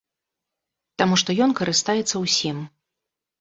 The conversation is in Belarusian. Таму што ён карыстаецца ўсім.